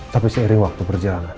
tapi seiring waktu perjalanan